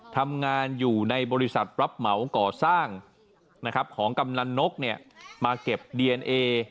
ทำงานอยู่ในบริษัทรับเหมาก่อสร้างของกำนันนกมาเก็บดีเอนเอ